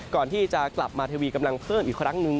ก่อนที่จะกลับมาทีวีกำลังเพิ่มอีกครั้งหนึ่ง